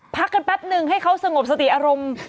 พักกันแป๊บนึงให้เขาสงบสติอารมณ์